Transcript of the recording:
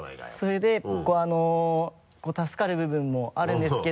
それでこう助かる部分もあるんですけど。